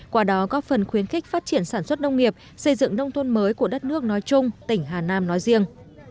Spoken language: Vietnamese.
qua đó góp phần khuyến khích phát triển sản xuất nông nghiệp xây dựng nông thôn mới của đất nước nói chung tỉnh hà nam nói riêng